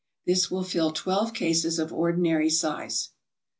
This will fill twelve cases of ordinary size.